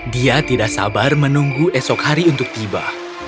dia tidak sabar menunggu esok hari untuk tiba